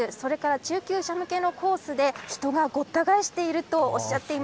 中級者向けのコースで人がごった返している